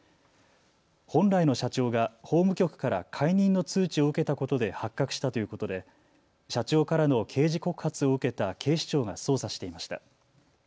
本来の社長が法務局から解任の通知を受けたことで発覚したということで社長からの刑事告発を受けた警視庁が捜査していました。